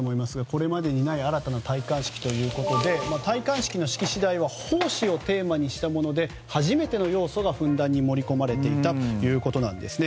これまでにない新たな戴冠式ということで戴冠式の式次第は奉仕をテーマにしたもので初めての要素がふんだんに盛り込まれていたそうです。